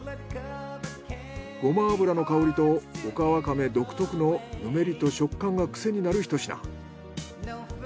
ゴマ油の香りとオカワカメ独特のぬめりと食感がくせになるひと品。